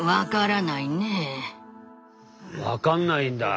分かんないんだ。